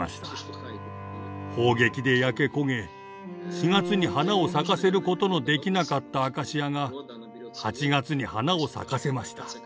砲撃で焼け焦げ４月に花を咲かせることのできなかったアカシアが８月に花を咲かせました。